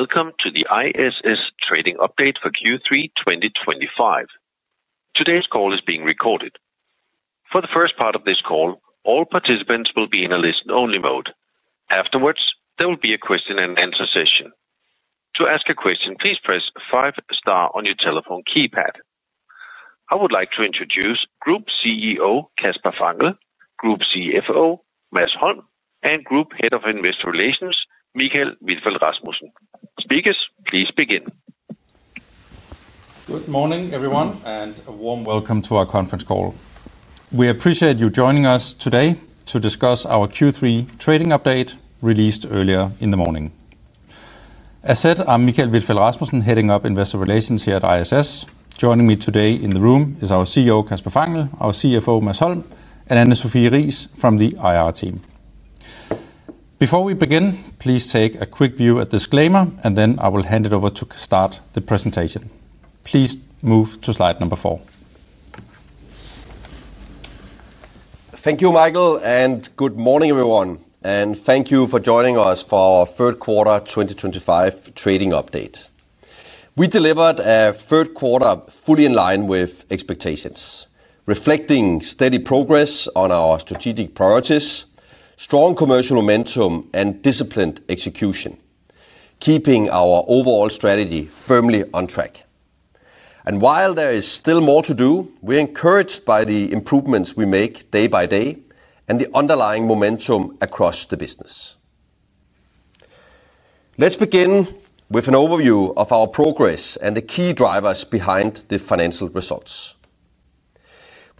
Welcome to the ISS trading update for Q3 2025. Today's call is being recorded. For the first part of this call, all participants will be in a listen-only mode. Afterwards, there will be a question-and-answer session. To ask a question, please press five-star on your telephone keypad. I would like to introduce Group CEO Kasper Fangel, Group CFO Mads Holm, and Group Head of Investor Relations Michael Witfeldt-Rasmussen. Speakers, please begin. Good morning, everyone, and a warm welcome to our conference call. We appreciate you joining us today to discuss our Q3 trading update released earlier in the morning. As said, I'm Michael Witfeldt-Rasmussen, heading up Investor Relations here at ISS. Joining me today in the room is our CEO, Kasper Fangel, our CFO, Mads Holm, and Anne Sophie Riis from the IR team. Before we begin, please take a quick view at disclaimer, and then I will hand it over to start the presentation. Please move to slide number four. Thank you, Michael, and good morning, everyone. Thank you for joining us for our third quarter 2025 trading update. We delivered a third quarter fully in line with expectations, reflecting steady progress on our strategic priorities, strong commercial momentum, and disciplined execution, keeping our overall strategy firmly on track. While there is still more to do, we're encouraged by the improvements we make day by day and the underlying momentum across the business. Let's begin with an overview of our progress and the key drivers behind the financial results.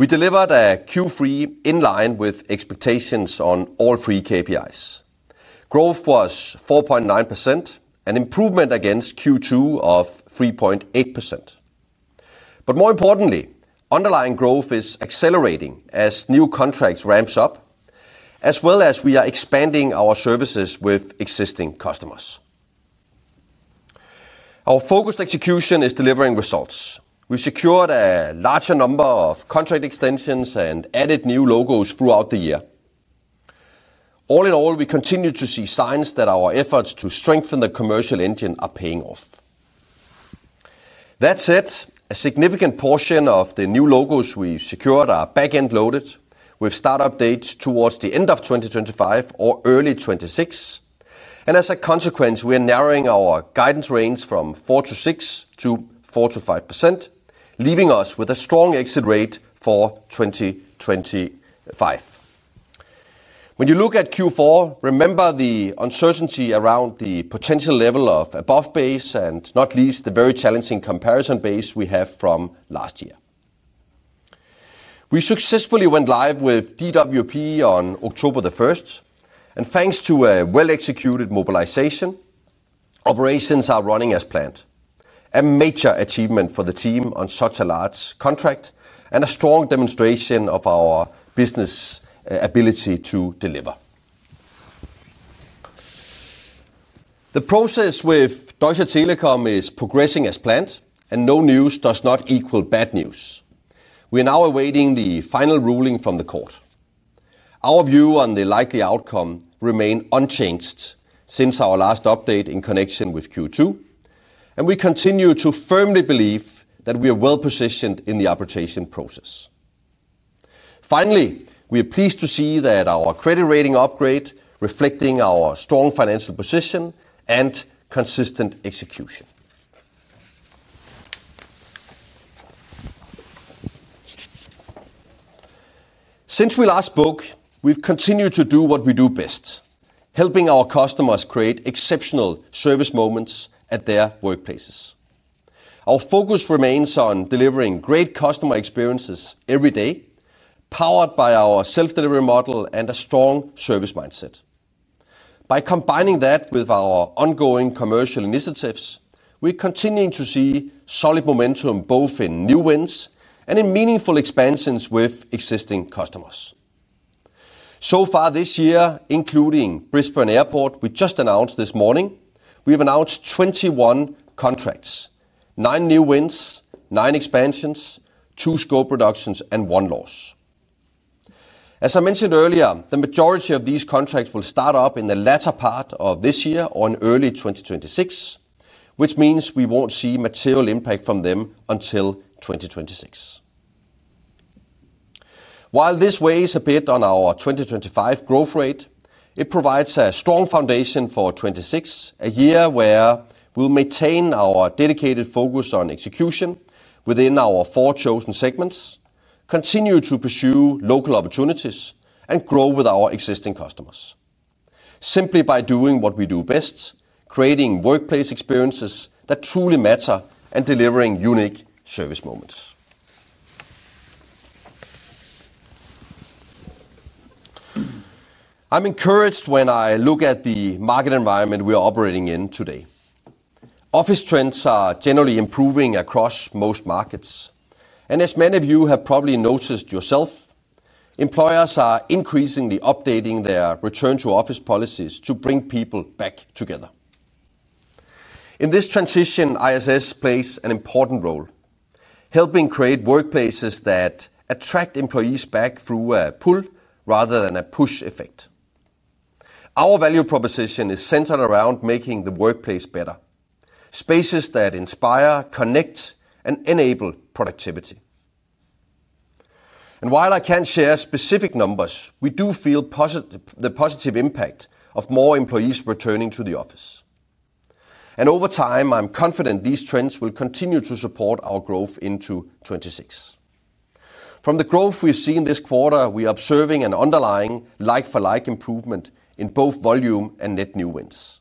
We delivered a Q3 in line with expectations on all three KPIs. Growth was 4.9%, an improvement against Q2 of 3.8%. More importantly, underlying growth is accelerating as new contracts ramp up, as well as we are expanding our services with existing customers. Our focused execution is delivering results. We've secured a larger number of contract extensions and added new logos throughout the year. All in all, we continue to see signs that our efforts to strengthen the commercial engine are paying off. That said, a significant portion of the new logos we secured are back-end loaded with startup dates towards the end of 2025 or early 2026. As a consequence, we are narrowing our guidance range from 4%-6% to 4%-5%, leaving us with a strong exit rate for 2025. When you look at Q4, remember the uncertainty around the potential level of above base and not least the very challenging comparison base we have from last year. We successfully went live with DWP on October 1, and thanks to a well-executed mobilization. Operations are running as planned, a major achievement for the team on such a large contract and a strong demonstration of our business ability to deliver. The process with Deutsche Telekom is progressing as planned, and no news does not equal bad news. We are now awaiting the final ruling from the court. Our view on the likely outcome remains unchanged since our last update in connection with Q2, and we continue to firmly believe that we are well positioned in the arbitration process. Finally, we are pleased to see that our credit rating upgrade reflects our strong financial position and consistent execution. Since we last spoke, we've continued to do what we do best, helping our customers create exceptional service moments at their workplaces. Our focus remains on delivering great customer experiences every day, powered by our self-delivery model and a strong service mindset. By combining that with our ongoing commercial initiatives, we're continuing to see solid momentum both in new wins and in meaningful expansions with existing customers. So far this year, including Brisbane Airport, we just announced this morning, we've announced 21 contracts, nine new wins, nine expansions, two scope reductions, and one loss. As I mentioned earlier, the majority of these contracts will start up in the latter part of this year or in early 2026, which means we won't see material impact from them until 2026. While this weighs a bit on our 2025 growth rate, it provides a strong foundation for 2026, a year where we'll maintain our dedicated focus on execution within our four chosen segments, continue to pursue local opportunities, and grow with our existing customers. Simply by doing what we do best, creating workplace experiences that truly matter, and delivering unique service moments. I'm encouraged when I look at the market environment we are operating in today. Office trends are generally improving across most markets, and as many of you have probably noticed yourself, employers are increasingly updating their return-to-office policies to bring people back together. In this transition, ISS plays an important role, helping create workplaces that attract employees back through a pull rather than a push effect. Our value proposition is centered around making the workplace better, spaces that inspire, connect, and enable productivity. While I can't share specific numbers, we do feel the positive impact of more employees returning to the office. Over time, I'm confident these trends will continue to support our growth into 2026. From the growth we've seen this quarter, we are observing an underlying like-for-like improvement in both volume and net new wins.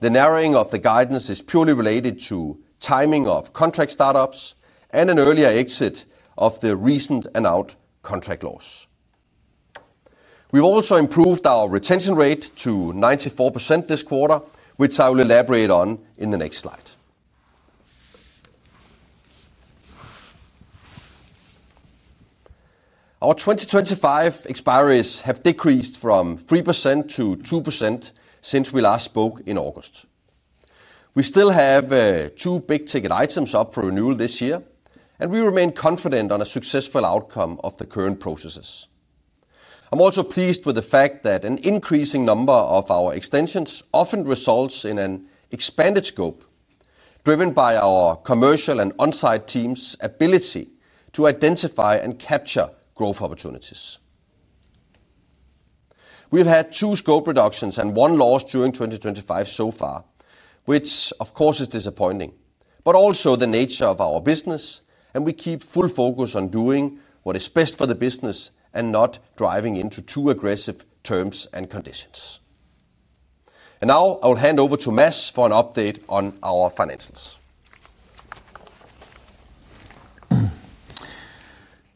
The narrowing of the guidance is purely related to timing of contract startups and an earlier exit of the recent and out contract loss. We've also improved our retention rate to 94% this quarter, which I will elaborate on in the next slide. Our 2025 expiries have decreased from 3%-2% since we last spoke in August. We still have two big-ticket items up for renewal this year, and we remain confident on a successful outcome of the current processes. I'm also pleased with the fact that an increasing number of our extensions often results in an expanded scope, driven by our commercial and on-site teams' ability to identify and capture growth opportunities. We've have had two scope reductions and one loss during 2025 so far, which of course is disappointing, but also the nature of our business, and we keep full focus on doing what is best for the business and not driving into too aggressive terms and conditions. I will hand over to Mads for an update on our financials.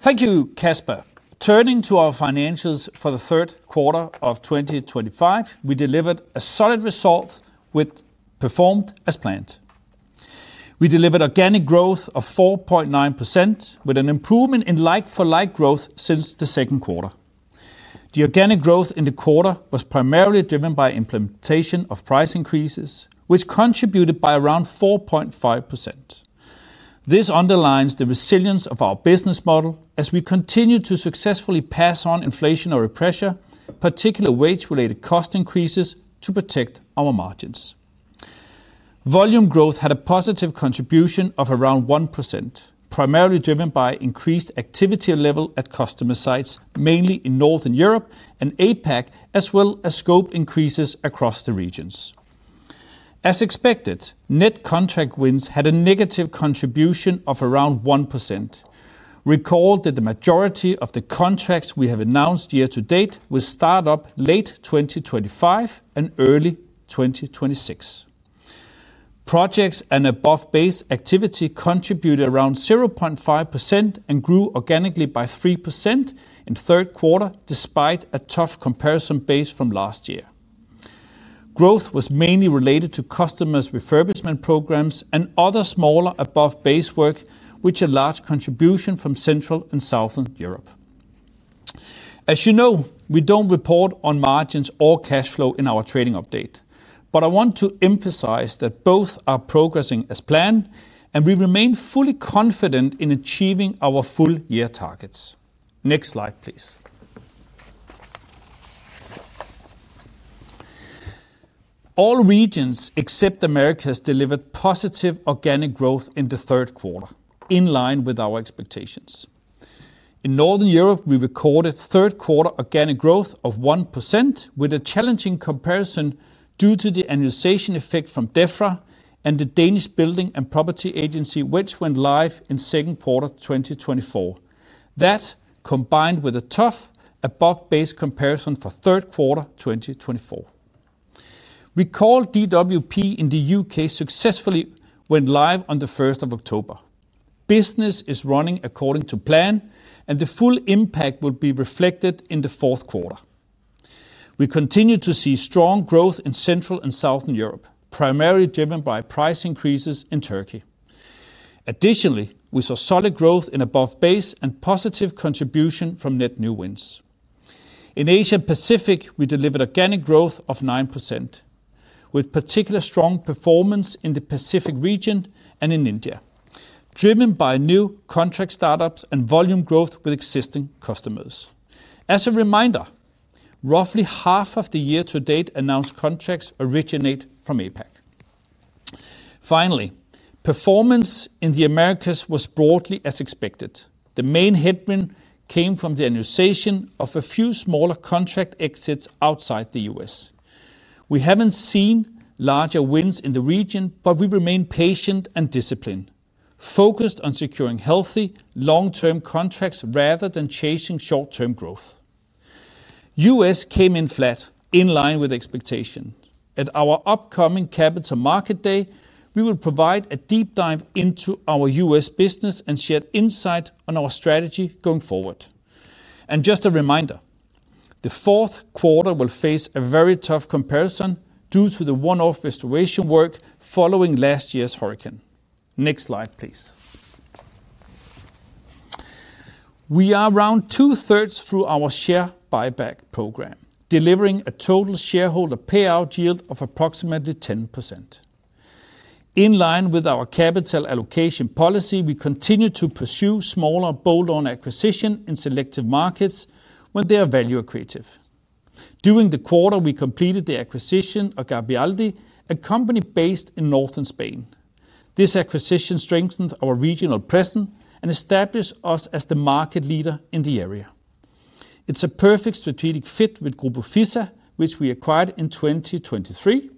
Thank you, Kasper. Turning to our financials for the third quarter of 2025, we delivered a solid result. Performed as planned. We delivered organic growth of 4.9%, with an improvement in like-for-like growth since the second quarter. The organic growth in the quarter was primarily driven by implementation of price increases, which contributed by around 4.5%. This underlines the resilience of our business model as we continue to successfully pass on inflationary pressure, particularly wage-related cost increases, to protect our margins. Volume growth had a positive contribution of around 1%, primarily driven by increased activity level at customer sites, mainly in Northern Europe and APAC, as well as scope increases across the regions. As expected, net contract wins had a negative contribution of around 1%. Recall that the majority of the contracts we have announced year-to-date will start up late 2025 and early 2026. Projects and above base activity contributed around 0.5% and grew organically by 3% in the third quarter, despite a tough comparison base from last year. Growth was mainly related to customers' refurbishment programs and other smaller above base work, which are a large contribution from Central and Southern Europe. As you know, we do not report on margins or cash flow in our trading update, but I want to emphasize that both are progressing as planned, and we remain fully confident in achieving our full-year targets. Next slide, please. All regions except Americas delivered positive organic growth in the third quarter, in line with our expectations. In Northern Europe, we recorded third-quarter organic growth of 1%, with a challenging comparison due to the annuization effect from DEFRA and the Danish Building and Property Agency, which went live in the second quarter 2024. That, combined with a tough above base comparison for the third quarter 2024. Recall DWP in the U.K. successfully went live on the 1st of October. Business is running according to plan, and the full impact will be reflected in the fourth quarter. We continue to see strong growth in Central and Southern Europe, primarily driven by price increases in Turkey. Additionally, we saw solid growth in above base and positive contribution from net new wins. In Asia-Pacific, we delivered organic growth of 9%. With particular strong performance in the Pacific region and in India, driven by new contract startups and volume growth with existing customers. As a reminder, roughly half of the year-to-date announced contracts originate from APAC. Finally, performance in the Americas was broadly as expected. The main headwind came from the annuization of a few smaller contract exits outside the U.S. We have not seen larger wins in the region, but we remain patient and disciplined, focused on securing healthy, long-term contracts rather than chasing short-term growth. U.S. came in flat, in line with expectations. At our upcoming Capital Market Day, we will provide a deep dive into our U.S. business and share insight on our strategy going forward. Just a reminder, the fourth quarter will face a very tough comparison due to the one-off restoration work following last year's hurricane. Next slide, please. We are around two-thirds through our share buyback program, delivering a total shareholder payout yield of approximately 10%. In line with our capital allocation policy, we continue to pursue smaller bolt-on acquisitions in selective markets when they are value accretive. During the quarter, we completed the acquisition of Gabialdi, a company based in Northern Spain. This acquisition strengthened our regional presence and established us as the market leader in the area. It's a perfect strategic fit with Grupo Fissa, which we acquired in 2023,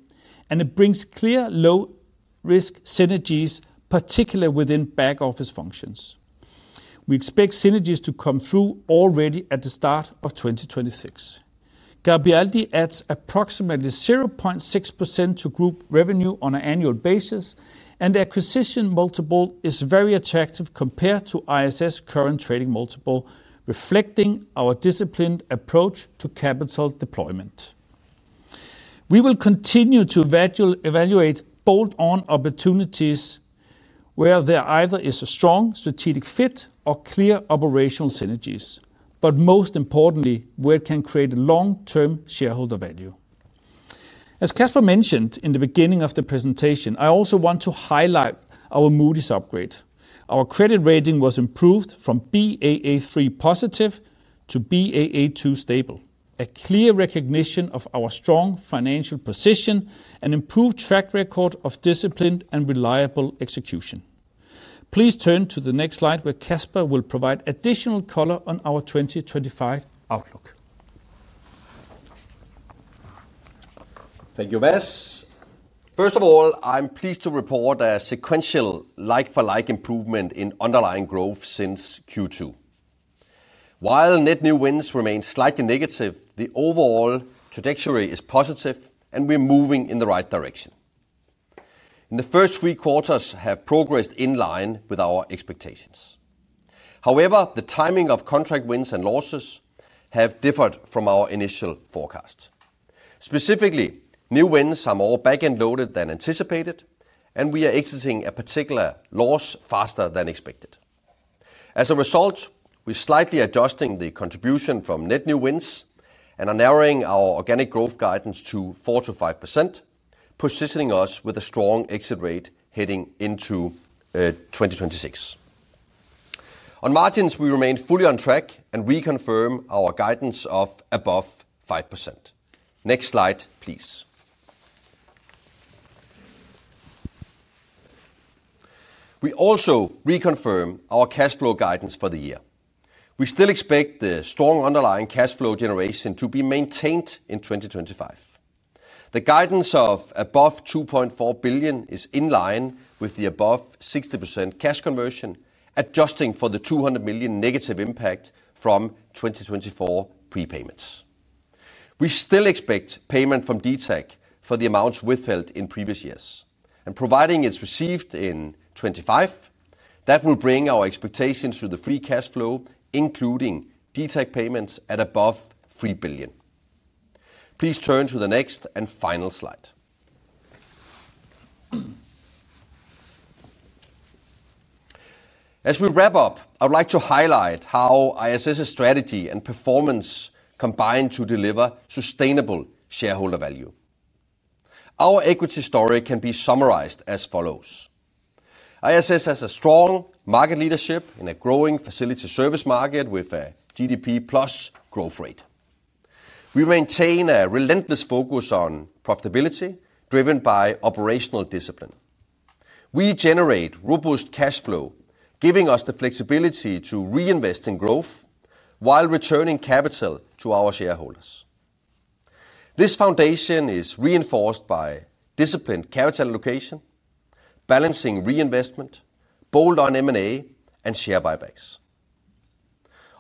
and it brings clear low-risk synergies, particularly within back-office functions. We expect synergies to come through already at the start of 2026. Gabialdi adds approximately 0.6% to group revenue on an annual basis, and the acquisition multiple is very attractive compared to ISS' current trading multiple, reflecting our disciplined approach to capital deployment. We will continue to evaluate bolt-on opportunities where there either is a strong strategic fit or clear operational synergies, but most importantly, where it can create long-term shareholder value. As Kasper mentioned in the beginning of the presentation, I also want to highlight our Moody's upgrade. Our credit rating was improved from Baa3 positive to Baa2 stable, a clear recognition of our strong financial position and improved track record of disciplined and reliable execution. Please turn to the next slide, where Kasper will provide additional color on our 2025 outlook. Thank you, Mads. First of all, I'm pleased to report a sequential like-for-like improvement in underlying growth since Q2. While net new wins remain slightly negative, the overall trajectory is positive, and we're moving in the right direction. In the first three quarters, we have progressed in line with our expectations. However, the timing of contract wins and losses has differed from our initial forecast. Specifically, new wins are more back-end loaded than anticipated, and we are exiting a particular loss faster than expected. As a result, we're slightly adjusting the contribution from net new wins and are narrowing our organic growth guidance to 4%-5%, positioning us with a strong exit rate heading into 2026. On margins, we remain fully on track and reconfirm our guidance of above 5%. Next slide, please. We also reconfirm our cash flow guidance for the year. We still expect the strong underlying cash flow generation to be maintained in 2025. The guidance of above 2.4 billion is in line with the above 60% cash conversion, adjusting for the 200 million negative impact from 2024 prepayments. We still expect payment from DTAC for the amounts withheld in previous years, and providing it's received in 2025, that will bring our expectations to the free cash flow, including DTAC payments at above 3 billion. Please turn to the next and final slide. As we wrap up, I would like to highlight how ISS' strategy and performance combine to deliver sustainable shareholder value. Our equity story can be summarized as follows. ISS has a strong market leadership in a growing facility service market with a GDP-plus growth rate. We maintain a relentless focus on profitability, driven by operational discipline. We generate robust cash flow, giving us the flexibility to reinvest in growth while returning capital to our shareholders. This foundation is reinforced by disciplined capital allocation, balancing reinvestment, bolt-on M&A, and share buybacks.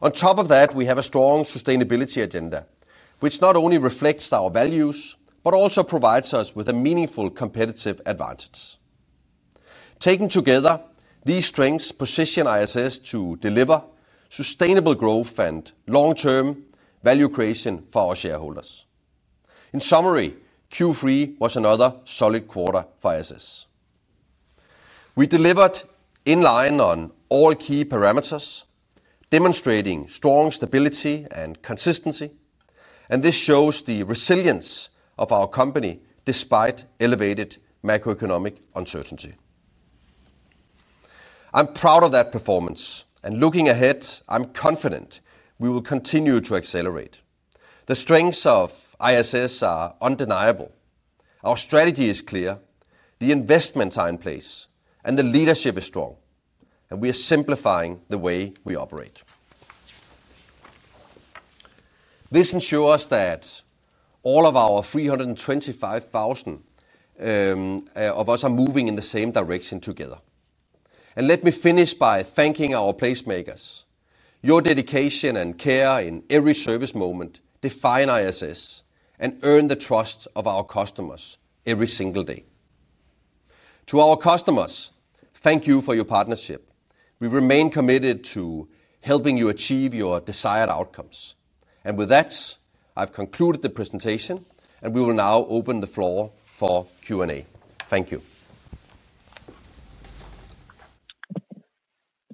On top of that, we have a strong sustainability agenda, which not only reflects our values but also provides us with a meaningful competitive advantage. Taken together, these strengths position ISS to deliver sustainable growth and long-term value creation for our shareholders. In summary, Q3 was another solid quarter for ISS. We delivered in line on all key parameters, demonstrating strong stability and consistency, and this shows the resilience of our company despite elevated macroeconomic uncertainty. I'm proud of that performance, and looking ahead, I'm confident we will continue to accelerate. The strengths of ISS are undeniable. Our strategy is clear, the investments are in place, and the leadership is strong, and we are simplifying the way we operate. This ensures that all of our 325,000 of us are moving in the same direction together. Let me finish by thanking our placemakers. Your dedication and care in every service moment define ISS and earn the trust of our customers every single day. To our customers, thank you for your partnership. We remain committed to helping you achieve your desired outcomes. With that, I have concluded the presentation, and we will now open the floor for Q&A. Thank you.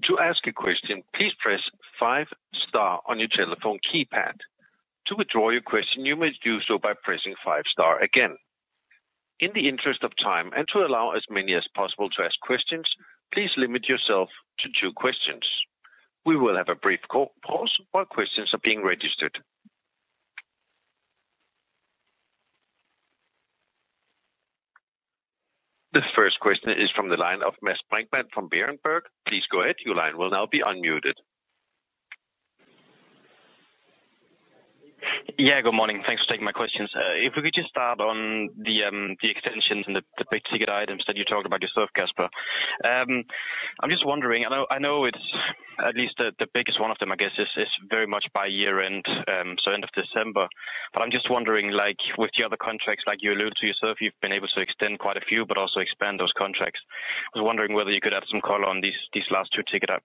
To ask a question, please press five-star on your telephone keypad. To withdraw your question, you may do so by pressing five-star again. In the interest of time and to allow as many as possible to ask questions, please limit yourself to two questions. We will have a brief pause while questions are being registered. The first question is from the line of Mads Brinkmann from Berenberg. Please go ahead. Your line will now be unmuted. Yeah, good morning. Thanks for taking my questions. If we could just start on the extensions and the big-ticket items that you talked about yourself, Kasper. I'm just wondering, and I know at least the biggest one of them, I guess, is very much by year-end, so end of December. I'm just wondering, with the other contracts, like you alluded to yourself, you've been able to extend quite a few but also expand those contracts. I was wondering whether you could add some color on these last two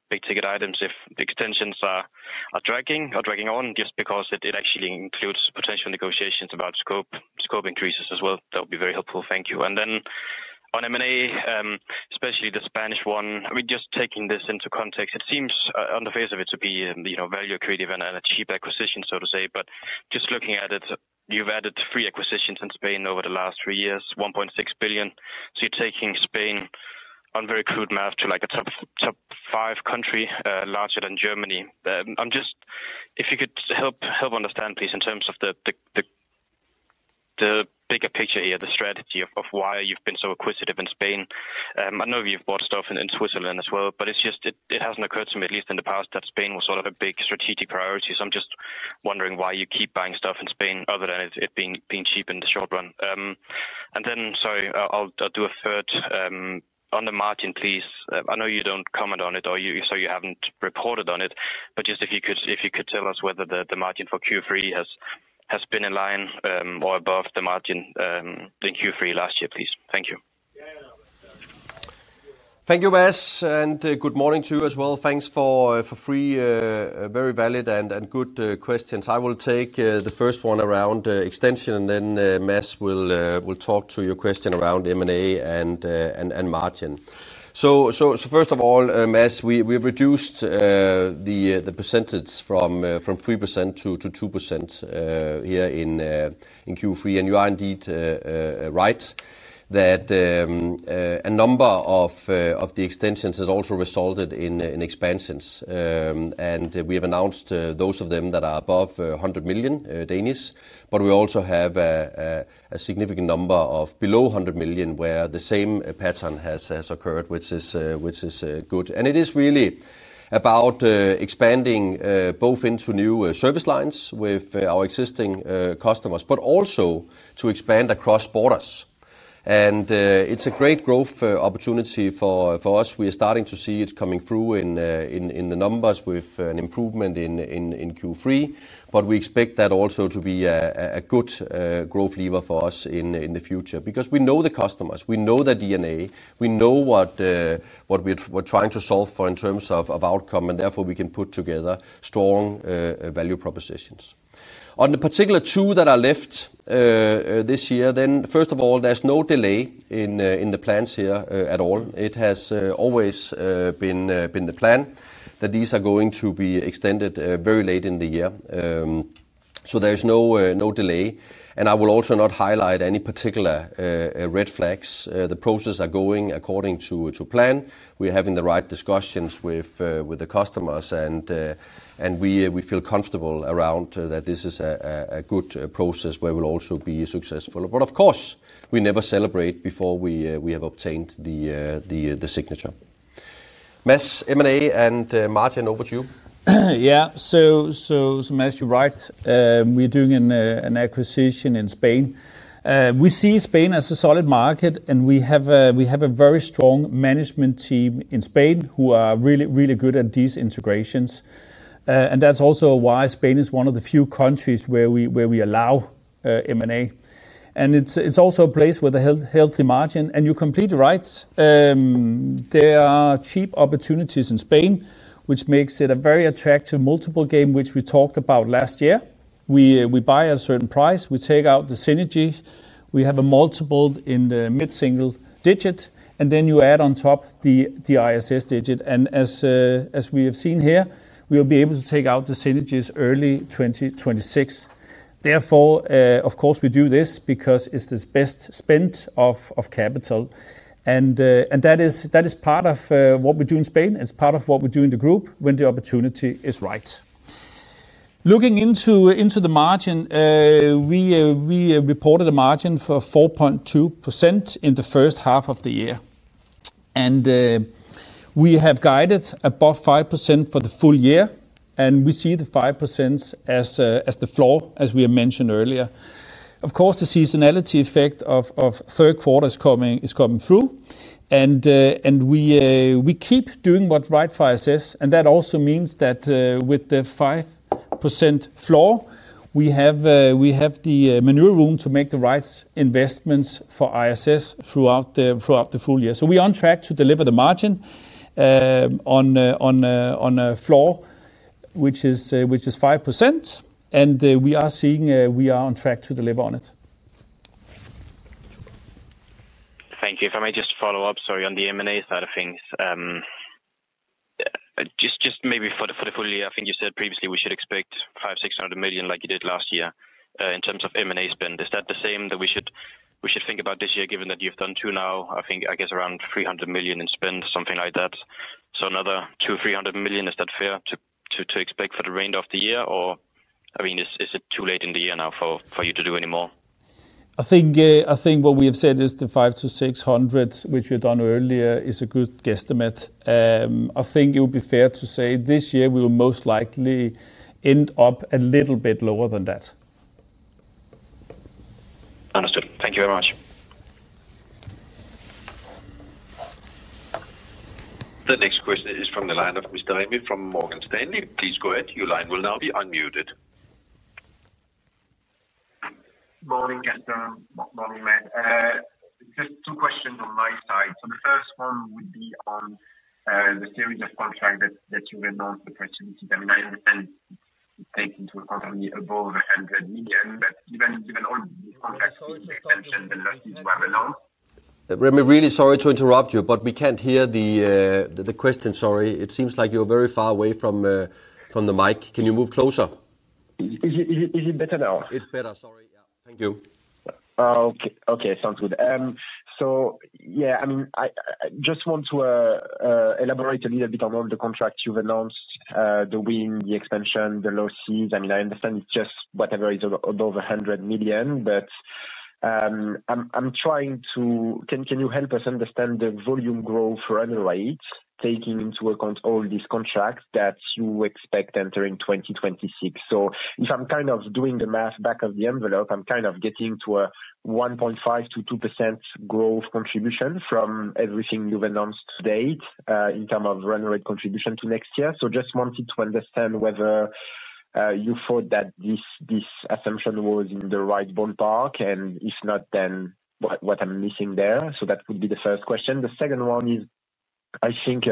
big-ticket items if the extensions are dragging or dragging on just because it actually includes potential negotiations about scope increases as well. That would be very helpful. Thank you. On M&A, especially the Spanish one, I mean, just taking this into context, it seems on the face of it to be value accretive and a cheap acquisition, so to say, but just looking at it, you've added three acquisitions in Spain over the last three years, 1.6 billion. You're taking Spain on very crude math to a top five country larger than Germany. If you could help understand, please, in terms of the bigger picture here, the strategy of why you've been so acquisitive in Spain. I know you've bought stuff in Switzerland as well, but it hasn't occurred to me, at least in the past, that Spain was sort of a big strategic priority. I'm just wondering why you keep buying stuff in Spain other than it being cheap in the short run. Sorry, I'll do a third. On the margin, please. I know you don't comment on it, or you say you haven't reported on it, but just if you could tell us whether the margin for Q3 has been in line or above the margin in Q3 last year, please. Thank you. Thank you, Mads, and good morning to you as well. Thanks for three very valid and good questions. I will take the first one around extension, and then Mads will talk to your question around M&A and margin. First of all, Mads, we have reduced the percentage from 3%-2% here in Q3, and you are indeed right that a number of the extensions has also resulted in expansions, and we have announced those of them that are above 100 million, but we also have a significant number below 100 million where the same pattern has occurred, which is good. It is really about expanding both into new service lines with our existing customers, but also to expand across borders. It is a great growth opportunity for us. We are starting to see it coming through in the numbers with an improvement in Q3, but we expect that also to be a good growth lever for us in the future because we know the customers. We know their DNA. We know what we're trying to solve for in terms of outcome, and therefore we can put together strong value propositions. On the particular two that are left this year, first of all, there is no delay in the plans here at all. It has always been the plan that these are going to be extended very late in the year. There is no delay. I will also not highlight any particular red flags. The process is going according to plan. We are having the right discussions with the customers, and we feel comfortable around that this is a good process where we will also be successful. Of course, we never celebrate before we have obtained the signature. Mads, M&A and margin over to you. Yeah, so. Mads, you're right. We're doing an acquisition in Spain. We see Spain as a solid market, and we have a very strong management team in Spain who are really good at these integrations. That is also why Spain is one of the few countries where we allow M&A. It is also a place with a healthy margin. You're completely right. There are cheap opportunities in Spain, which makes it a very attractive multiple game, which we talked about last year. We buy at a certain price. We take out the synergy. We have a multiple in the mid-single digit, and then you add on top the ISS digit. As we have seen here, we will be able to take out the synergies early 2026. Therefore, of course, we do this because it's the best spend of capital, and that is part of what we do in Spain. It's part of what we do in the group when the opportunity is right. Looking into the margin, we reported a margin for 4.2% in the first half of the year. We have guided above 5% for the full year, and we see the 5% as the floor, as we have mentioned earlier. Of course, the seasonality effect of third quarter is coming through. We keep doing what RiteFi says. That also means that with the 5% floor, we have the maneuver room to make the right investments for ISS throughout the full year. We are on track to deliver the margin on a floor, which is 5%, and we are on track to deliver on it. Thank you. If I may just follow up, sorry, on the M&A side of things. Just maybe for the full year, I think you said previously we should expect 500 million-600 million like you did last year in terms of M&A spend. Is that the same that we should think about this year, given that you've done two now? I think, I guess, around 300 million in spend, something like that. So another 200 million-300 million, is that fair to expect for the remainder of the year? I mean, is it too late in the year now for you to do any more? I think what we have said is the 500-600, which we had done earlier, is a good guesstimate. I think it would be fair to say this year we will most likely end up a little bit lower than that. Understood. Thank you very much. The next question is from the line of Mr. Grenu from Morgan Stanley. Please go ahead. Your line will now be unmuted. Good morning, Kasper and Morgan Matt. Just two questions on my side. The first one would be on the series of contracts that you've announced, the possibilities. I mean, I understand it's taken the company above 100 million, but given all these contracts being extension, the last thing you have announced. Remy, really sorry to interrupt you, but we can't hear the question, sorry. It seems like you're very far away from the mic. Can you move closer? Is it better now? It's better, sorry. Yeah, thank you. Okay, okay. Sounds good. Yeah, I mean, I just want to elaborate a little bit on all the contracts you've announced, the win, the extension, the launches. I mean, I understand it's just whatever is above 100 million, but I'm trying to—can you help us understand the volume growth run rate taking into account all these contracts that you expect entering 2026? If I'm kind of doing the math back of the envelope, I'm kind of getting to a 1.5%-2% growth contribution from everything you've announced to date in terms of run rate contribution to next year. I just wanted to understand whether you thought that this assumption was in the right ballpark, and if not, then what I'm missing there. That would be the first question. The second one is, I think.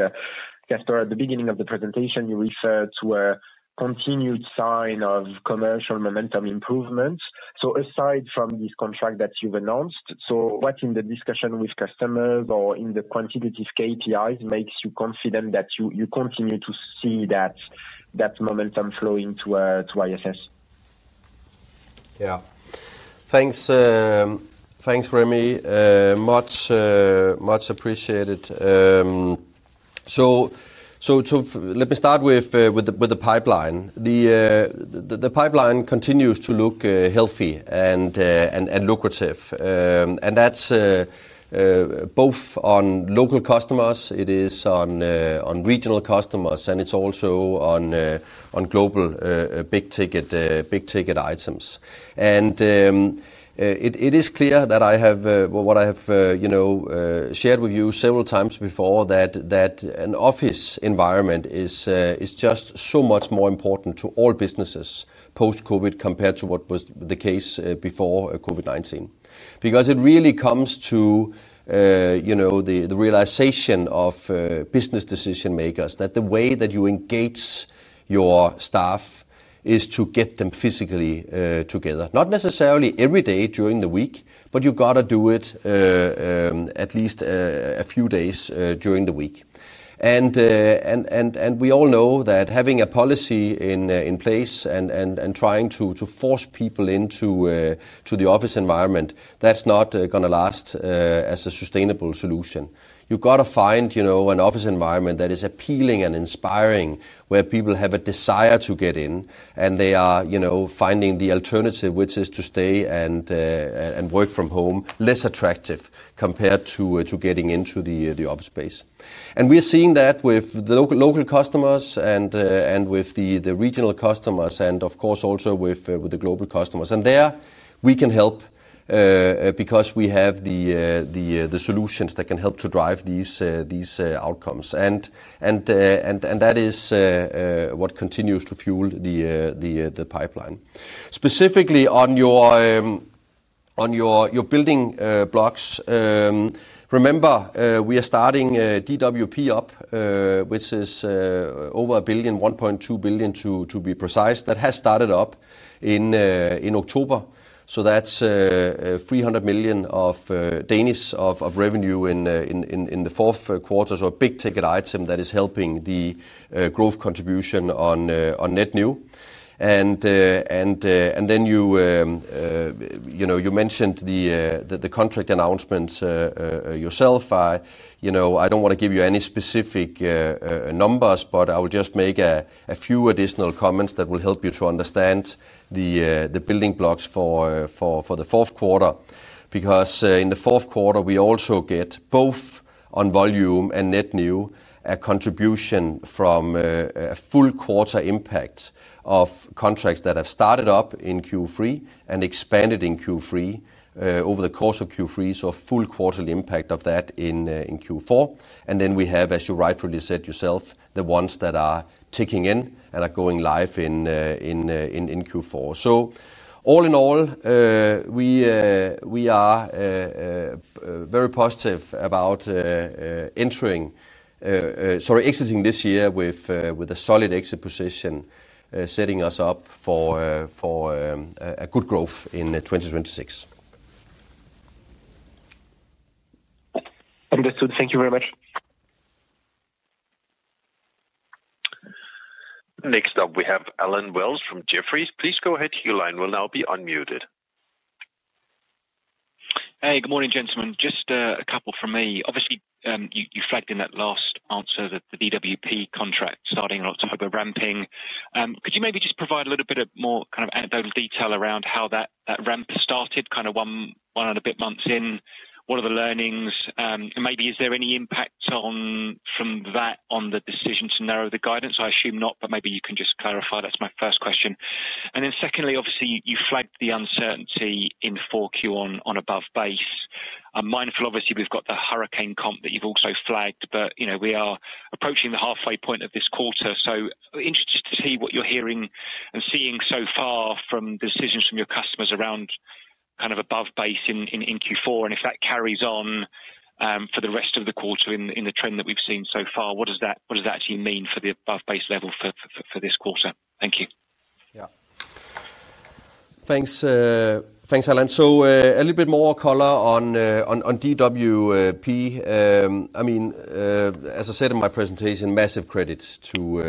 Kasper, at the beginning of the presentation, you referred to a continued sign of commercial momentum improvement. Aside from this contract that you've announced, what in the discussion with customers or in the quantitative KPIs makes you confident that you continue to see that momentum flowing to ISS? Yeah. Thanks. Rémi. Much appreciated. Let me start with the pipeline. The pipeline continues to look healthy and lucrative. That's both on local customers, on regional customers, and also on global big-ticket items. It is clear that what I have shared with you several times before is that an office environment is just so much more important to all businesses post-COVID compared to what was the case before COVID-19. It really comes to the realization of business decision-makers that the way that you engage your staff is to get them physically together. Not necessarily every day during the week, but you got to do it at least a few days during the week. We all know that having a policy in place and trying to force people into the office environment, that's not going to last as a sustainable solution. You got to find an office environment that is appealing and inspiring where people have a desire to get in, and they are finding the alternative, which is to stay and work from home, less attractive compared to getting into the office space. We are seeing that with the local customers and with the regional customers and, of course, also with the global customers. There we can help because we have the solutions that can help to drive these outcomes. That is what continues to fuel the pipeline. Specifically on your building blocks, remember, we are starting DWP up, which is over 1 billion-1.2 billion to be precise. That has started up in October. That is 300 million of Danish revenue in the fourth quarter, so a big-ticket item that is helping the growth contribution on net new. You mentioned the contract announcements yourself. I don't want to give you any specific numbers, but I will just make a few additional comments that will help you to understand the building blocks for the fourth quarter. Because in the fourth quarter, we also get both on volume and net new a contribution from a full quarter impact of contracts that have started up in Q3 and expanded in Q3 over the course of Q3, so a full quarterly impact of that in Q4. Then we have, as you rightfully said yourself, the ones that are ticking in and are going live in Q4. All in all, we are very positive about exiting this year with a solid exit position, setting us up for a good growth in 2026. Understood. Thank you very much. Next up, we have Allen Wells from Jefferies. Please go ahead. Your line will now be unmuted. Hey, good morning, gentlemen. Just a couple from me. Obviously, you flagged in that last answer that the DWP contract starting in October ramping. Could you maybe just provide a little bit of more kind of anecdotal detail around how that ramp started, kind of one and a bit months in? What are the learnings? And maybe, is there any impact from that on the decision to narrow the guidance? I assume not, but maybe you can just clarify. That's my first question. Secondly, obviously, you flagged the uncertainty in 4Q on above base. I'm mindful, obviously, we've got the hurricane comp that you've also flagged, but we are approaching the halfway point of this quarter. Interested to see what you're hearing and seeing so far from the decisions from your customers around kind of above base in Q4, and if that carries on. For the rest of the quarter in the trend that we've seen so far, what does that actually mean for the above base level for this quarter? Thank you. Yeah. Thanks, Allen. A little bit more color on DWP. I mean, as I said in my presentation, massive credit to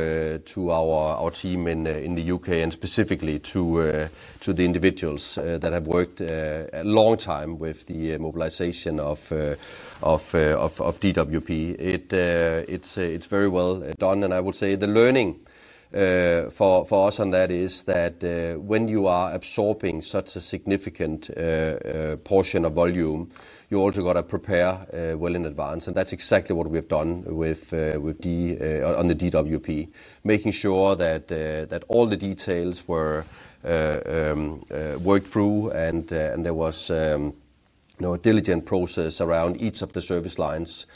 our team in the U.K. and specifically to the individuals that have worked a long time with the mobilization of DWP. It's very well done. I would say the learning for us on that is that when you are absorbing such a significant portion of volume, you also got to prepare well in advance. That's exactly what we have done on the DWP, making sure that all the details were worked through and there was a diligent process around each of the service lines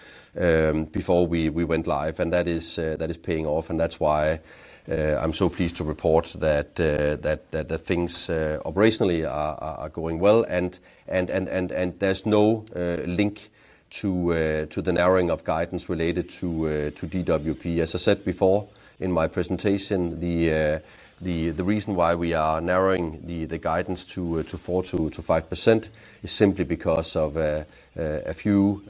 before we went live. That is paying off. That's why I'm so pleased to report that things operationally are going well. There's no link to the narrowing of guidance related to DWP. As I said before in my presentation, the reason why we are narrowing the guidance to 4-5% is simply because of a few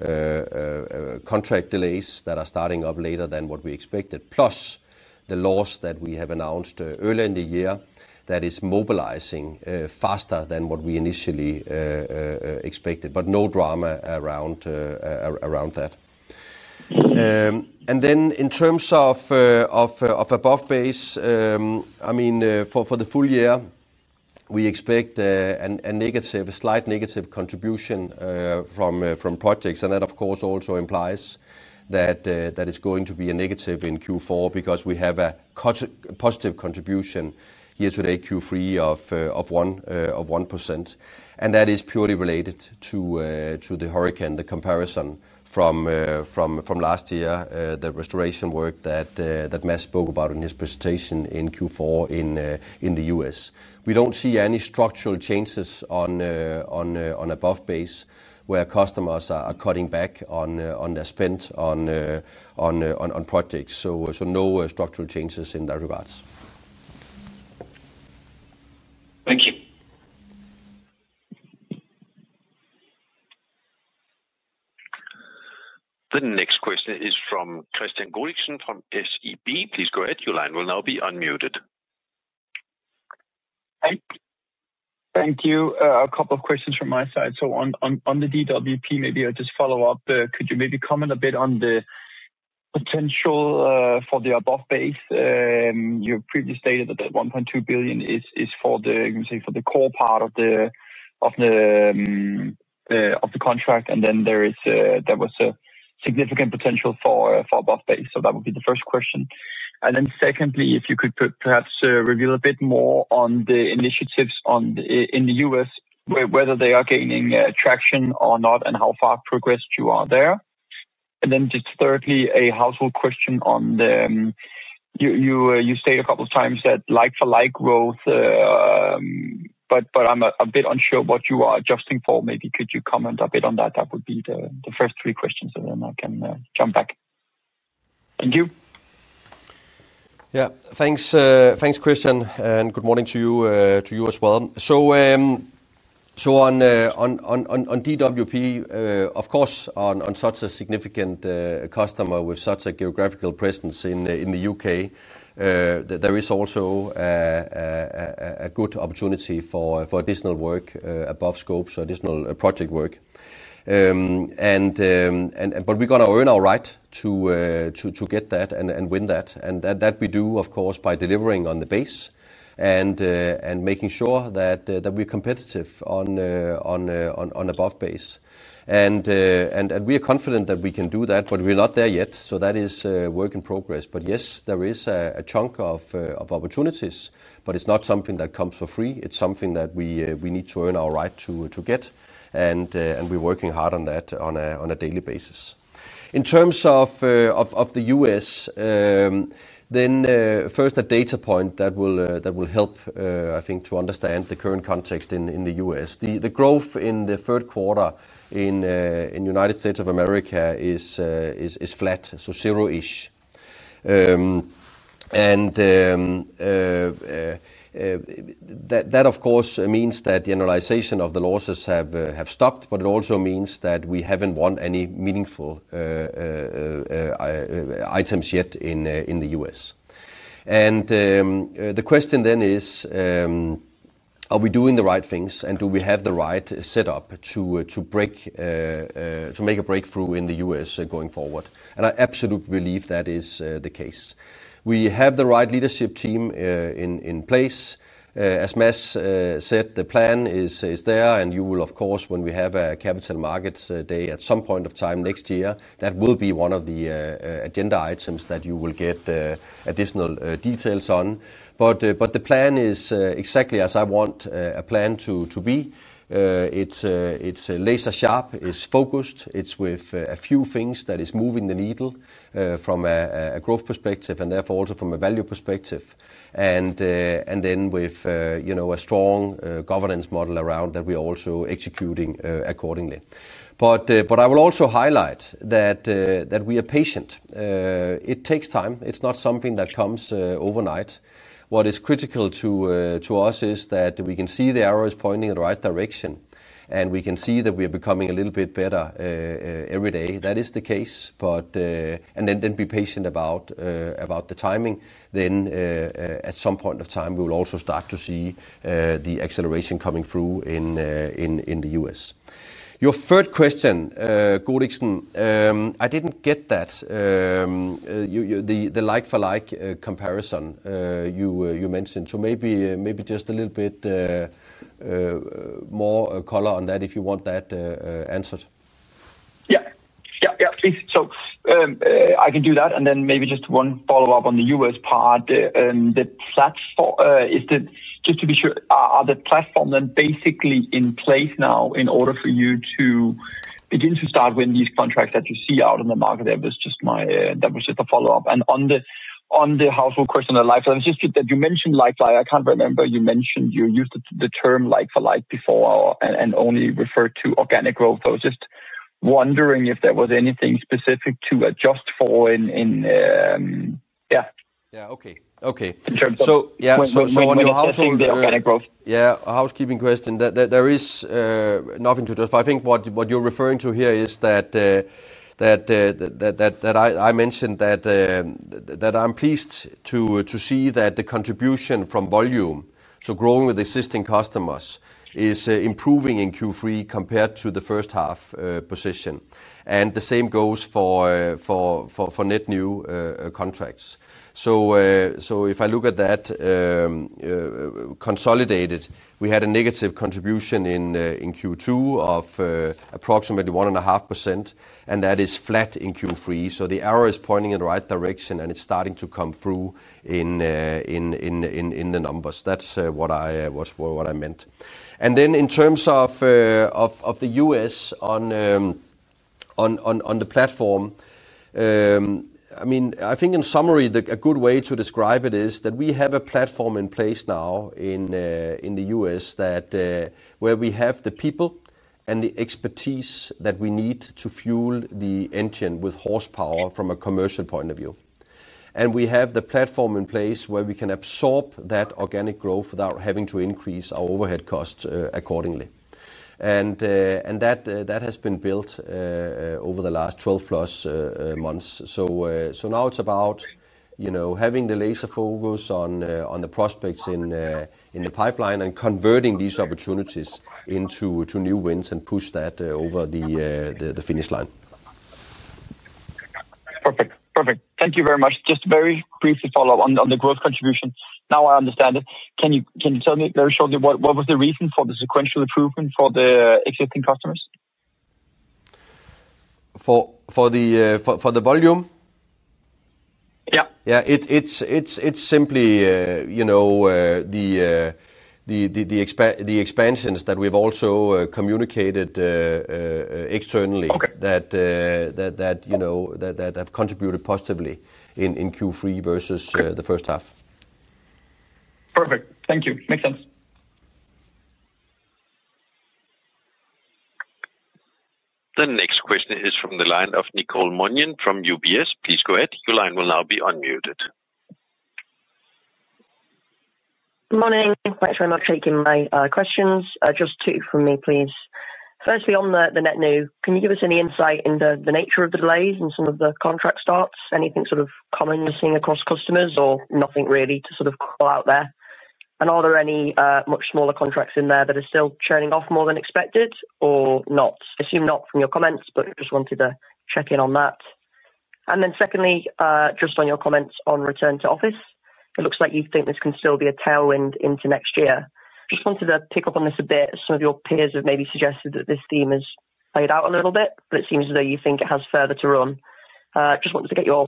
contract delays that are starting up later than what we expected, plus the loss that we have announced earlier in the year that is mobilizing faster than what we initially expected. No drama around that. In terms of above base, I mean, for the full year, we expect a slight negative contribution from projects. That, of course, also implies that it is going to be a negative in Q4 because we have a positive contribution year to date Q3 of 1%. That is purely related to the hurricane, the comparison from last year, the restoration work that Mads spoke about in his presentation in Q4 in the U.S. We do not see any structural changes on. Above base where customers are cutting back on their spend on projects. So no structural changes in that regard. Thank you. The next question is from Kristian Godiksen from SEB. Please go ahead. Your line will now be unmuted. Thank you. A couple of questions from my side. On the DWP, maybe I'll just follow up. Could you maybe comment a bit on the potential for the above base? You previously stated that 1.2 billion is for the core part of the contract, and then there was a significant potential for above base. That would be the first question. Secondly, if you could perhaps reveal a bit more on the initiatives in the U.S., whether they are gaining traction or not and how far progressed you are there. Thirdly, a household question. You stated a couple of times that like-for-like growth, but I'm a bit unsure what you are adjusting for. Maybe could you comment a bit on that? That would be the first three questions, and then I can jump back. Thank you. Yeah. Thanks, Kristian. And good morning to you as well. On DWP, of course, on such a significant customer with such a geographical presence in the U.K., there is also a good opportunity for additional work above scope, so additional project work. We got to earn our right to get that and win that. That we do, of course, by delivering on the base and making sure that we're competitive on above base. We are confident that we can do that, but we're not there yet. That is a work in progress. Yes, there is a chunk of opportunities, but it's not something that comes for free. It's something that we need to earn our right to get. We're working hard on that on a daily basis. In terms of the U.S. A data point that will help, I think, to understand the current context in the U.S. The growth in the third quarter in the United States of America is flat, so zero-ish. That, of course, means that the annualization of the losses has stopped, but it also means that we have not won any meaningful items yet in the U.S. The question then is, are we doing the right things? Do we have the right setup to make a breakthrough in the U.S. going forward? I absolutely believe that is the case. We have the right leadership team in place. As Matt said, the plan is there. You will, of course, when we have a Capital Market Day at some point of time next year, that will be one of the agenda items that you will get additional details on. The plan is exactly as I want a plan to be. It's laser-sharp, it's focused, it's with a few things that are moving the needle from a growth perspective and therefore also from a value perspective. With a strong governance model around that, we are also executing accordingly. I will also highlight that we are patient. It takes time. It's not something that comes overnight. What is critical to us is that we can see the arrow is pointing in the right direction, and we can see that we are becoming a little bit better every day. That is the case. Be patient about the timing. At some point of time, we will also start to see the acceleration coming through in the U.S. Your third question, Godiksen, I didn't get that. The like-for-like comparison you mentioned. Maybe just a little bit. More color on that if you want that answered. Yeah. Yeah. Please. I can do that. Maybe just one follow-up on the U.S. part. Just to be sure, are the platforms then basically in place now in order for you to begin to start winning these contracts that you see out on the market? That was just my follow-up. On the household question on lifestyle, it's just that you mentioned lifestyle. I can't remember. You used the term like-for-like before and only referred to organic growth. I was just wondering if there was anything specific to adjust for in. Yeah. Yeah. Okay. In terms of. On your household... Yeah. Housekeeping question. There is nothing to adjust. I think what you're referring to here is that I mentioned that I'm pleased to see that the contribution from volume, so growing with existing customers, is improving in Q3 compared to the first-half position. The same goes for net new contracts. If I look at that consolidated, we had a negative contribution in Q2 of approximately 1.5%, and that is flat in Q3. The arrow is pointing in the right direction, and it's starting to come through in the numbers. That's what I meant. In terms of the U.S. on the platform. I mean, I think in summary, a good way to describe it is that we have a platform in place now in the U.S. where we have the people and the expertise that we need to fuel the engine with horsepower from a commercial point of view. We have the platform in place where we can absorb that organic growth without having to increase our overhead costs accordingly. That has been built over the last 12-plus months. Now it is about having the laser focus on the prospects in the pipeline and converting these opportunities into new wins and push that over the finish line. Perfect. Perfect. Thank you very much. Just a very brief follow-up on the growth contribution. Now I understand it. Can you tell me very shortly what was the reason for the sequential improvement for the existing customers? For the volume? Yeah. Yeah. It is simply the expansions that we have also communicated externally that have contributed positively in Q3 versus the first half. Perfect. Thank you. Makes sense. The next question is from the line of Nicole Monyon from UBS. Please go ahead. Your line will now be unmuted. Good morning. Thanks very much for taking my questions. Just two from me, please. Firstly, on the net new, can you give us any insight into the nature of the delays and some of the contract starts? Anything sort of common you're seeing across customers or nothing really to sort of call out there? Are there any much smaller contracts in there that are still churning off more than expected or not? I assume not from your comments, but just wanted to check in on that. Secondly, just on your comments on return to office, it looks like you think this can still be a tailwind into next year. Just wanted to pick up on this a bit. Some of your peers have maybe suggested that this theme has played out a little bit, but it seems as though you think it has further to run. Just wanted to get your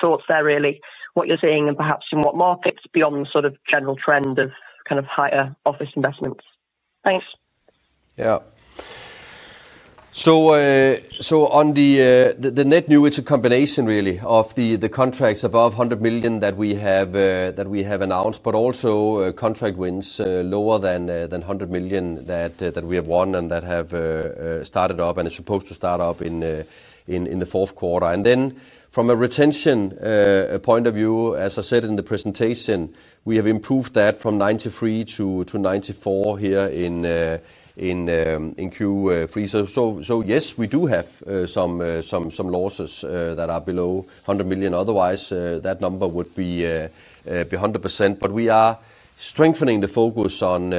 thoughts there, really, what you're seeing and perhaps in what markets beyond the sort of general trend of kind of higher office investments. Thanks. Yeah. On the net new, it's a combination really of the contracts above 100 million that we have announced, but also contract wins lower than 100 million that we have won and that have started up and are supposed to start up in the fourth quarter. From a retention point of view, as I said in the presentation, we have improved that from 93% to 94% here in Q3. Yes, we do have some losses that are below 100 million. Otherwise, that number would be 100%. We are strengthening the focus on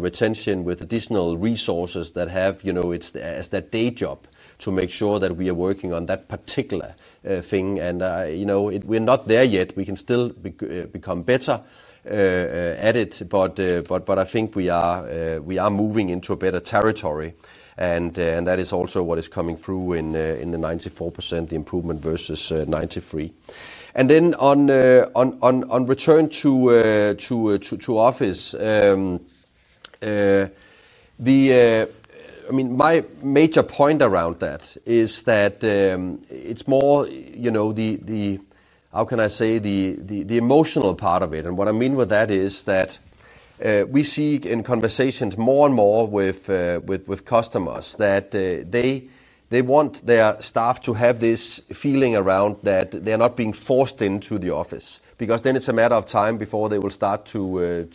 retention with additional resources that have it as their day job to make sure that we are working on that particular thing. We're not there yet. We can still become better at it. I think we are moving into a better territory. That is also what is coming through in the 94%, the improvement versus 93%. On return to office, I mean, my major point around that is that it is more, how can I say, the emotional part of it. What I mean with that is that we see in conversations more and more with customers that they want their staff to have this feeling around that they are not being forced into the office because then it is a matter of time before they will start to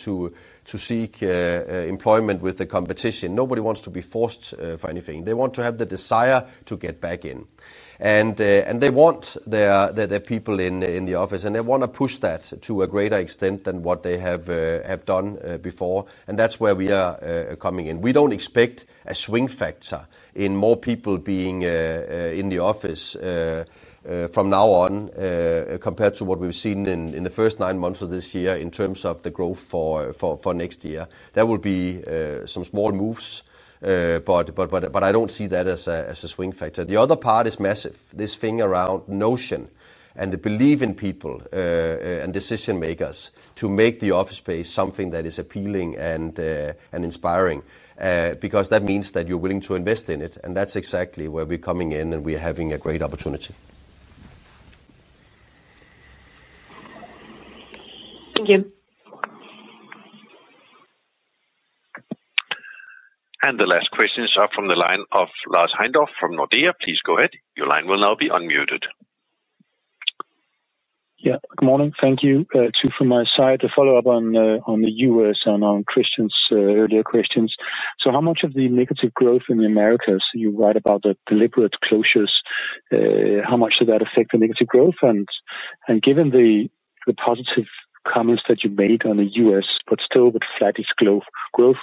seek employment with the competition. Nobody wants to be forced for anything. They want to have the desire to get back in. They want their people in the office, and they want to push that to a greater extent than what they have done before. That is where we are coming in. We don't expect a swing factor in more people being in the office from now on compared to what we've seen in the first nine months of this year in terms of the growth for next year. There will be some small moves. I don't see that as a swing factor. The other part is massive. This thing around notion and the belief in people and decision-makers to make the office space something that is appealing and inspiring because that means that you're willing to invest in it. That's exactly where we're coming in, and we're having a great opportunity. Thank you. The last questions are from the line of Lars Heindorff from Nordea. Please go ahead. Your line will now be unmuted. Yeah. Good morning. Thank you. Two from my side to follow up on the U.S. and on Christian's earlier questions. How much of the negative growth in the Americas, you write about the deliberate closures, how much did that affect the negative growth? Given the positive comments that you made on the U.S., but still with flat growth,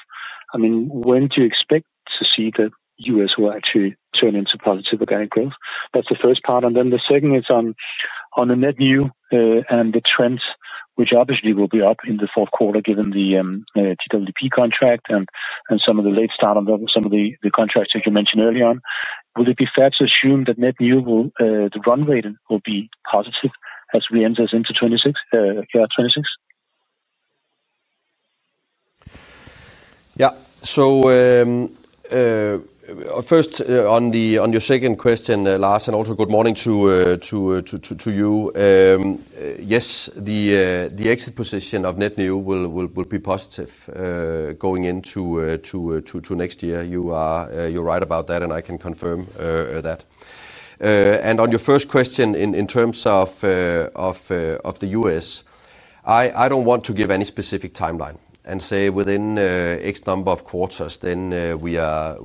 I mean, when do you expect to see the U.S. will actually turn into positive organic growth? That's the first part. The second is on the net new and the trends, which obviously will be up in the fourth quarter given the DWP contract and some of the late start on some of the contracts that you mentioned earlier on. Will it be fair to assume that net new, the run rate will be positive as we enter into 2026? Yeah. First, on your second question, Lars, and also good morning to you. Yes, the exit position of net new will be positive going into next year. You're right about that, and I can confirm that. On your first question in terms of the U.S., I don't want to give any specific timeline and say within X number of quarters, then we are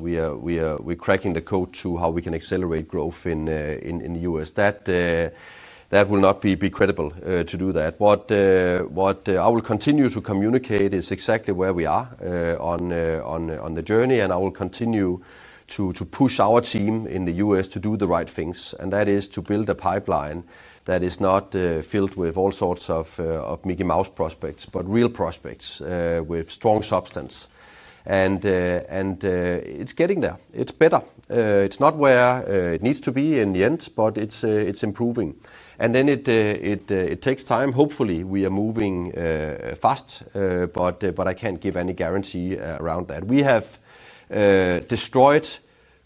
cracking the code to how we can accelerate growth in the U.S. That will not be credible to do that. What I will continue to communicate is exactly where we are on the journey, and I will continue to push our team in the U.S. to do the right things. That is to build a pipeline that is not filled with all sorts of Mickey Mouse prospects, but real prospects with strong substance. It's getting there. It's better. It's not where it needs to be in the end, but it's improving. It takes time. Hopefully, we are moving fast, but I can't give any guarantee around that. We have destroyed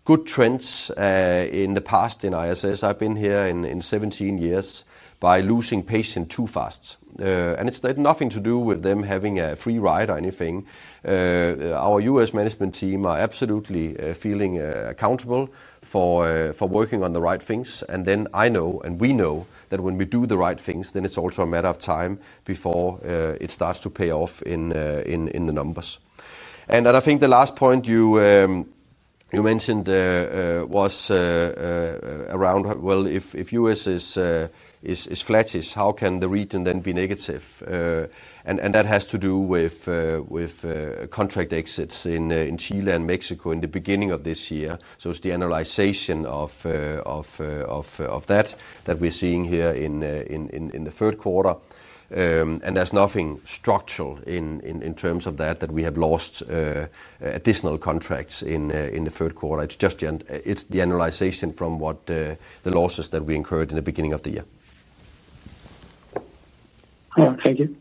good trends in the past in ISS. I've been here seventeen years by losing patience too fast. It's nothing to do with them having a free ride or anything. Our U.S. management team are absolutely feeling accountable for working on the right things. I know, and we know that when we do the right things, then it's also a matter of time before it starts to pay off in the numbers. I think the last point you mentioned was around, if U.S. is flat, how can the region then be negative? That has to do with contract exits in Chile and Mexico in the beginning of this year. It's the analyzation of that that we're seeing here in the third quarter. There's nothing structural in terms of that that we have lost additional contracts in the third quarter. It's just the analyzation from the losses that we incurred in the beginning of the year. Thank you.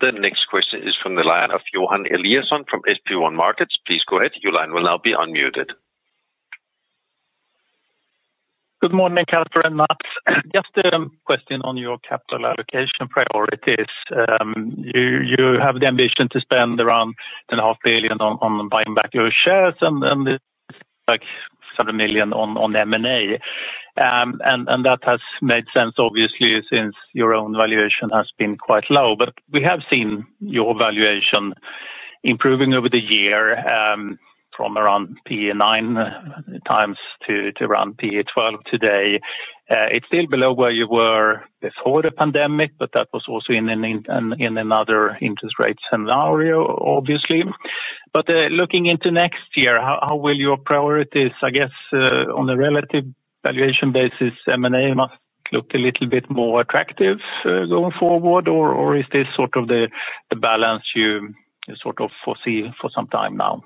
The next question is from the line of Johan Eliason from SB1 Markets. Please go ahead. Your line will now be unmuted. Good morning, Kasper. Just a question on your capital allocation priorities. You have the ambition to spend around 2.5 billion on buying back your shares and 7 million on M&A. That has made sense, obviously, since your own valuation has been quite low. We have seen your valuation improving over the year from around PE 9 times to around PE 12 today. It is still below where you were before the pandemic, but that was also in another interest rate scenario, obviously. Looking into next year, how will your priorities, I guess, on a relative valuation basis, M&A must look a little bit more attractive going forward, or is this sort of the balance you foresee for some time now?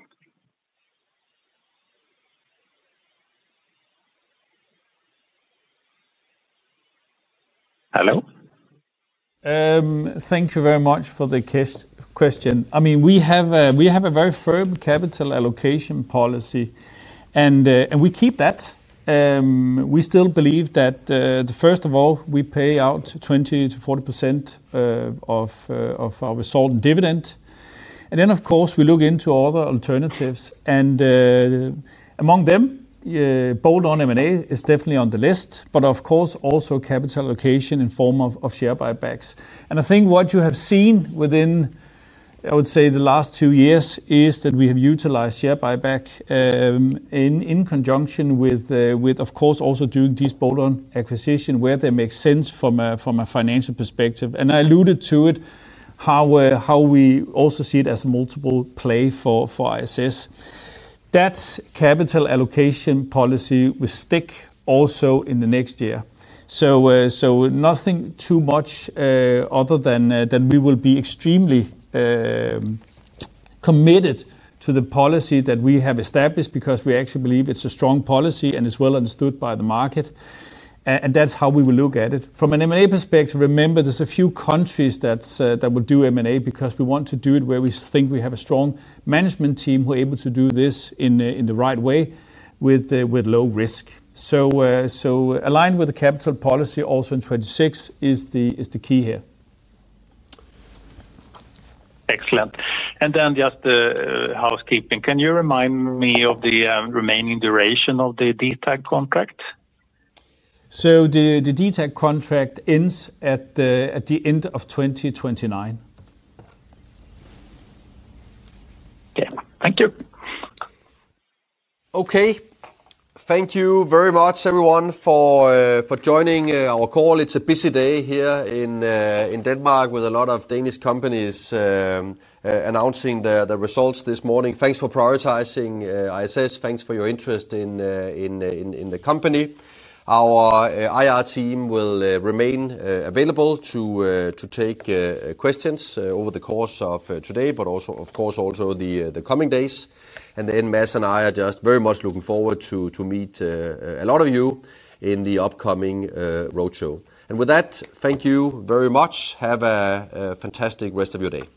Hello? Thank you very much for the question. I mean, we have a very firm capital allocation policy, and we keep that. We still believe that, first of all, we pay out 20%-40% of our resulting dividend. Of course, we look into other alternatives. Among them, bolt-on M&A is definitely on the list, but of course, also capital allocation in form of share buybacks. I think what you have seen within, I would say, the last two years is that we have utilized share buyback in conjunction with, of course, also doing these bolt-on acquisitions where they make sense from a financial perspective. I alluded to it, how we also see it as a multiple play for ISS. That capital allocation policy, we stick also in the next year. Nothing too much other than we will be extremely. Committed to the policy that we have established because we actually believe it's a strong policy and it's well understood by the market. That is how we will look at it. From an M&A perspective, remember, there's a few countries that will do M&A because we want to do it where we think we have a strong management team who are able to do this in the right way with low risk. Aligned with the capital policy also in 2026 is the key here. Excellent. And then just the housekeeping. Can you remind me of the remaining duration of the DTAG contract? The DTAG contract ends at the end of 2029. Okay. Thank you. Okay. Thank you very much, everyone, for joining our call. It's a busy day here in Denmark with a lot of Danish companies announcing the results this morning. Thanks for prioritizing ISS. Thanks for your interest in the company. Our IR team will remain available to take questions over the course of today, but also, of course, also the coming days. Mats and I are just very much looking forward to meet a lot of you in the upcoming roadshow. With that, thank you very much. Have a fantastic rest of your day.